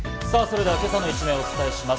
今朝の一面をお伝えします。